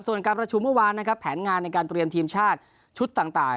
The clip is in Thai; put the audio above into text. ส่วนการประชุมเมื่อวานนะครับแผนงานในการเตรียมทีมชาติชุดต่าง